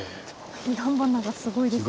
彼岸花がすごいですね。